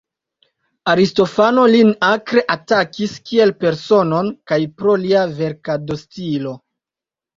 Aristofano lin akre atakis kiel personon kaj pro lia verkado-stilo.